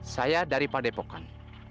saya dari padepokon